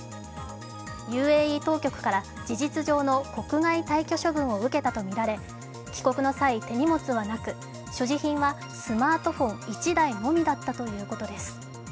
ＵＡＥ当局から事実上の国外退去処分を受けたとみられ帰国の際、手荷物はなく、所持品はスマートフォン１台のみだったということです。